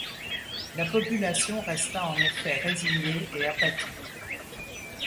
La population resta en effet résignée et apathique.